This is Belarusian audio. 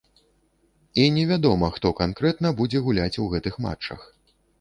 І невядома, хто канкрэтна будзе гуляць у гэтых матчах.